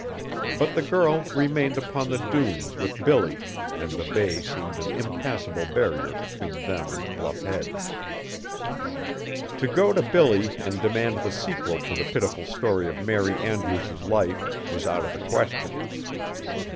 But the girl remained upon the dunes with Billy, and the bay seemed an impassable barrier between them and Bluff Head. To go to Billy and demand the sequel to the pitiful story of Mary Andrews's life was out of the question.